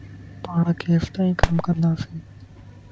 پاڻ ڪيستائي ڪم ڪنداسين